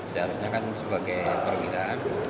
seharusnya kan sebagai perwira